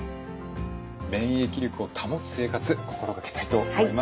免疫力を保つ生活心掛けたいと思います。